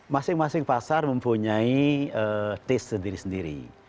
masing masing pasar mempunyai taste sendiri sendiri